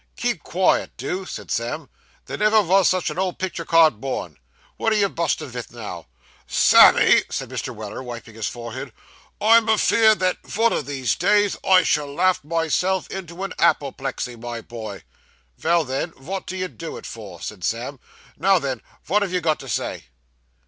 'Keep quiet, do,' said Sam, 'there never vos such a old picter card born. Wot are you bustin' vith, now?' 'Sammy,' said Mr. Weller, wiping his forehead, 'I'm afeerd that vun o' these days I shall laugh myself into a appleplexy, my boy.' 'Vell, then, wot do you do it for?' said Sam. 'Now, then, wot have you got to say?